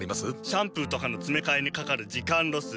シャンプーとかのつめかえにかかる時間ロス。